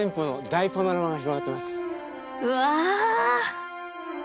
うわ！